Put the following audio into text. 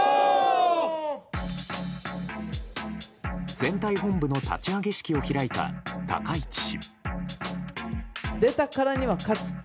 選対本部の立ち上げ式を開いた高市氏。